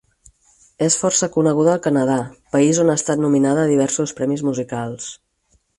És força coneguda al Canadà, país on ha estat nominada a diversos premis musicals.